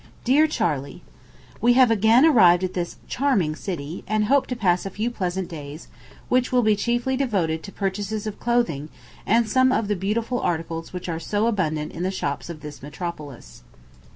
DEAR CHARLEY: We have again arrived at this charming city, and hope to pass a few pleasant days, which will be chiefly devoted to purchases of clothing and some of the beautiful articles which are so abundant in the shops of this metropolis.